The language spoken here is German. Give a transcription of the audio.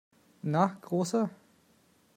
Na, Großer!